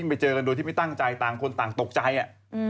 ไปเจอกันโดยที่ไม่ตั้งใจต่างคนต่างตกใจอ่ะ